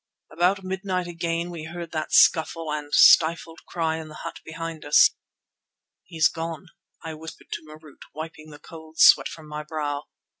About midnight again we heard that scuffle and stifled cry in the hut behind us. "He's gone," I whispered to Marût, wiping the cold sweat from my brow.